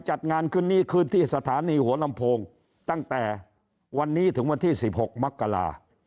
จัดงานขึ้นนี้คืนที่สถานีหัวลำโพงตั้งแต่วันนี้ถึงวันที่๑๖มกรา